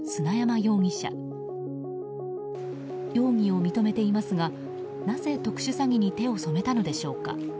容疑を認めていますが、なぜ特殊詐欺に手を染めたのでしょうか。